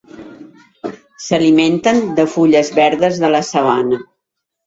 S'alimenten de fulles verdes de la sabana.